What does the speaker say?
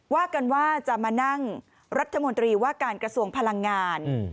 ว่ากันว่าจะมานั่งรัฐมนตรีว่าการกระทรวงพลังงาน